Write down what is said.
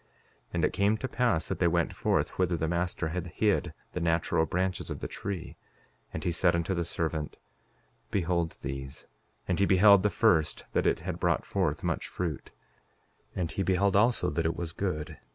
5:20 And it came to pass that they went forth whither the master had hid the natural branches of the tree, and he said unto the servant: Behold these; and he beheld the first that it had brought forth much fruit; and he beheld also that it was good.